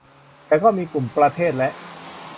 แต่มีกลุ่มประเทศและ